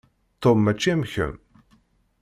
Tom mačči am kemm.